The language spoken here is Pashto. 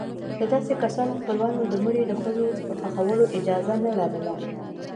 د داسې کسانو خپلوانو د مړي د ښخولو اجازه نه لرله.